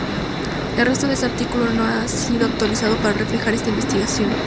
El resto de este artículo no ha sido actualizado para reflejar esta investigación.